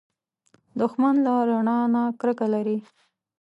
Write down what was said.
دښمن له رڼا نه کرکه لري